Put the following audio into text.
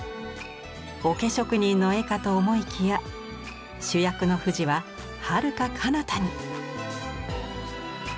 おけ職人の絵かと思いきや主役の富士ははるか彼方に。